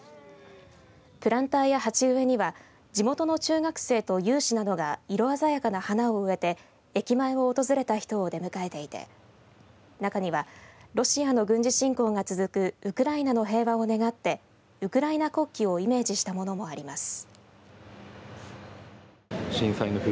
プランターや鉢植には地元の中学生と有志などが色鮮やかな花を植えて駅前を訪れた人を出迎えていて中には、ロシアの軍事侵攻が続くウクライナの平和を願ってウクライナ国旗をイメージしたものもあります。